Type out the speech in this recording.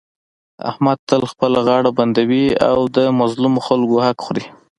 احمد تل خپله غاړه بندوي او د مظلومو خلکو حق خوري.